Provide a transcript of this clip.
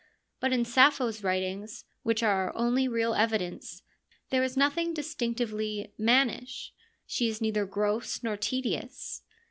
But in Sappho's writings, which are our only real evidence, there is nothing distinctively ' mannish ': she is neither gross nor tedious.